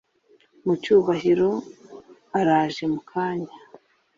mucyurabuhoro araje mukanya